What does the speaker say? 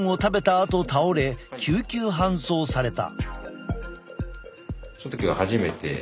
あと倒れ救急搬送された。